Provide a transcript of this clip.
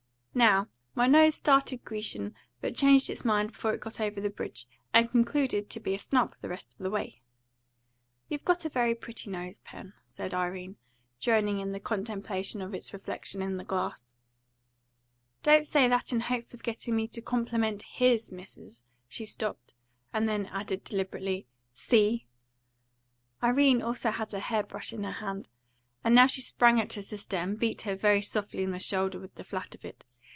"Now, my nose started Grecian, but changed its mind before it got over the bridge, and concluded to be snub the rest of the way." "You've got a very pretty nose, Pen," said Irene, joining in the contemplation of its reflex in the glass. "Don't say that in hopes of getting me to compliment HIS, Mrs." she stopped, and then added deliberately "C.!" Irene also had her hair brush in her hand, and now she sprang at her sister and beat her very softly on the shoulder with the flat of it.